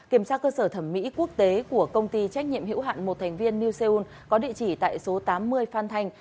kiểm tra cơ sở thẩm mỹ quốc tế của công ty trách nhiệm hữu hạn một thành viên new seul có địa chỉ tại số tám mươi phan thanh